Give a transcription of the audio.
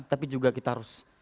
tapi juga kita harus